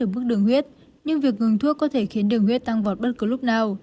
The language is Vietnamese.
bước đường huyết nhưng việc ngừng thuốc có thể khiến đường huyết tăng vọt bất cứ lúc nào